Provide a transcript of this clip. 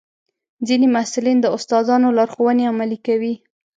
ځینې محصلین د استادانو لارښوونې عملي کوي.